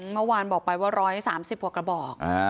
เมื่อวานบอกไปว่า๑๓๐กว่ากระบอก